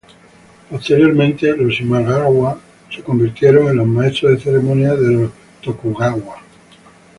Posteriormente los Imagawa se convirtieron en los maestros de ceremonias de los Tokugawa.